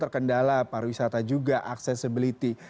kendala pariwisata juga accessibility